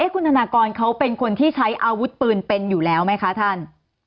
คุณธนากรเขาเป็นคนที่ใช้อาวุธปืนเป็นอยู่แล้วไหมคะท่าน